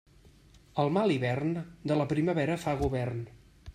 El mal hivern, de la primavera fa govern.